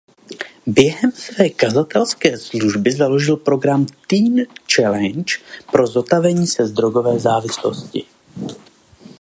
Během své kazatelské služby založil program Teen Challenge pro zotavení se z drogové závislosti.